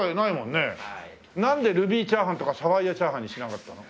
なんでルビーチャーハンとかサファイアチャーハンにしなかったの？